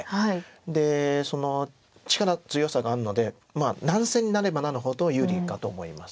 でその力強さがあるので難戦になればなるほど有利かと思います。